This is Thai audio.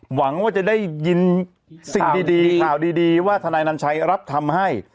หวังว่าจะได้ยินสิ่งดีข่าวดีว่าทนายนัญชัยรับทำให้